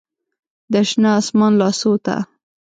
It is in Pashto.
د شنه اسمان لاسو ته